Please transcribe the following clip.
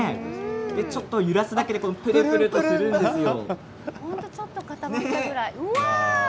ちょっと揺らすだけでぷるぷるしているんですよね。